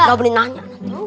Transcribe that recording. gak boleh nanya